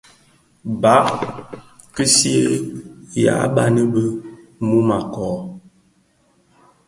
Baa (kisyea) yàa ban bì mum a kɔɔ.